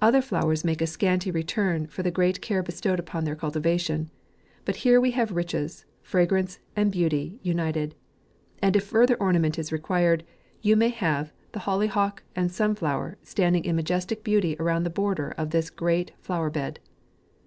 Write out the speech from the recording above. Other flowers make a scanty re turn for the great care bestowed upon their cultivation ; but here we have riches, fra grance, and beauty, united. And if further ornament is required, you may have the ho lyhawk and sunflower, standing in majestic beauty around the border of this great flow er bed.